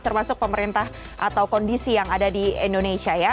termasuk pemerintah atau kondisi yang ada di indonesia ya